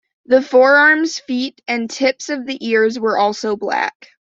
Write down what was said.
The forearms, feet, and tips of the ears were also black.